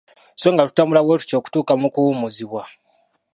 So nga tutambula bwetutyo okutuuka mu kuwummuzibwa.